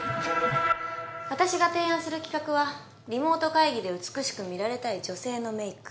私が提案する企画はリモート会議で美しく見られたい女性のメイク。